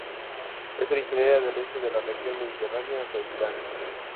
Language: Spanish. Es originaria del este de la región mediterránea hasta Irán.